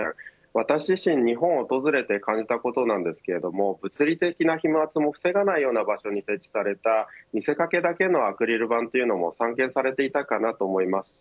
私自身、日本を訪れて感じたことなんですけれども物理的な飛沫も防がない場所に設置された見せ掛けだけのアクリル板というのも散見されていたかなと思いますし